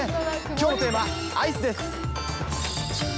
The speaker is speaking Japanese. きょうのテーマ、アイスです。